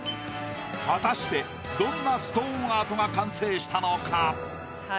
果たしてどんなストーンアートが完成したのか？